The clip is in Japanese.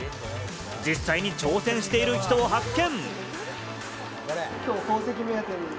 実際に挑戦している人を発見。